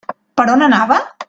Per on anava?